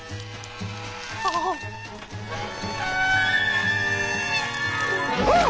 ああっ！